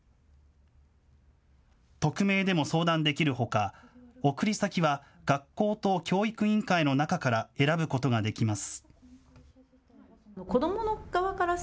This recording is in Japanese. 匿名でも相談できるほか、送り先は学校と教育委員会の中から選ぶことができます。